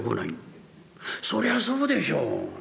そりゃそうでしょう。